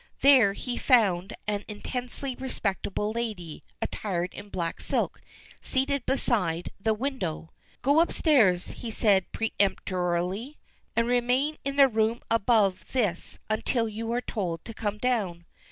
There he found an intensely respectable lady, attired in black silk, seated beside the window. "Go upstairs," he said peremptorily, "and remain in the room above this until you are told to come down.